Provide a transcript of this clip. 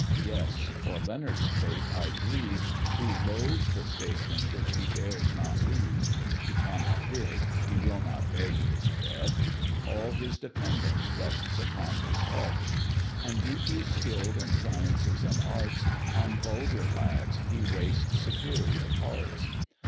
yes, for Leonard's fate I grieve, Who loaths the station which he dares not leave: He cannot dig, he will not beg his bread, All his dependence rests upon his head; And deeply skill'd in sciences and arts, On vulgar lads he wastes superior parts.